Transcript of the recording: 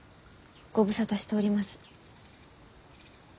ご無沙汰しております。